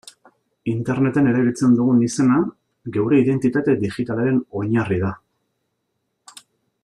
Interneten erabiltzen dugun izena geure identitate digitalaren oinarri da.